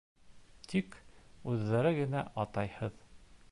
Тик... үҙҙәре генә, атайһыҙ...